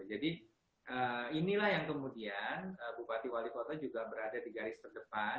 jadi inilah yang kemudian bupati wali kota juga berada di garis terdepan